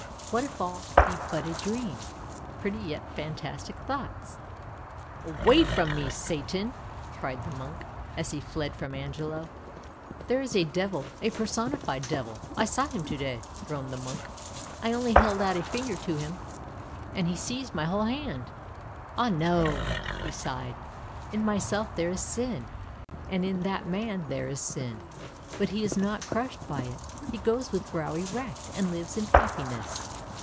What if all be but a dream — pretty yet fantastic thoughts? " Away from me, Satan! " cried the monk, as he fled from Angelo. " There is a devil, a personified devil! I saw him to day," groaned the monk. " I only held out a finger to him, and he seized my whole hand! Ah, no! " he sighed. " In myself there is sin, and in that man there is sin; but he is not crushed by it — he goes with brow erect, and lives in happiness.